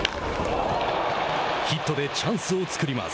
ヒットでチャンスを作ります。